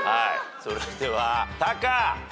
それではタカ。